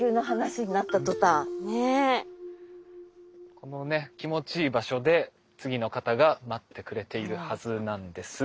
このね気持ちいい場所で次の方が待ってくれているはずなんです。